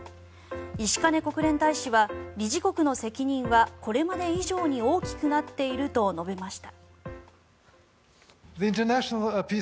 石兼国連大使は、理事国の責任はこれまで以上に大きくなっていると述べました。